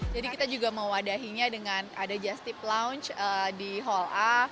jadi kita juga mewadahinya dengan ada jastip lounge di hall a